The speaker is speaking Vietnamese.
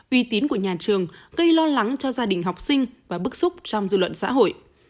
uy tín của nhà trường gây lo lắng cho gia đình học sinh và bức xúc trong dư luận xã hội